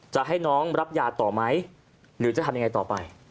จะให้น้องรับยาต่อไหมหรือจะทำยังไงต่อไป